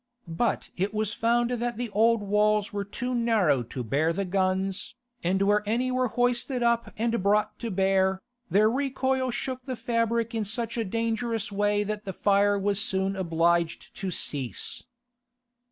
But it was found that the old walls were too narrow to bear the guns, and where any were hoisted up and brought to bear, their recoil shook the fabric in such a dangerous way that the fire was soon obliged to cease.